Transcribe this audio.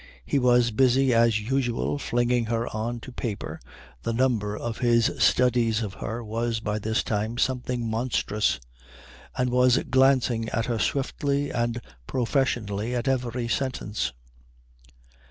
He was busy as usual flinging her on to paper the number of his studies of her was by this time something monstrous and was glancing at her swiftly and professionally at every sentence.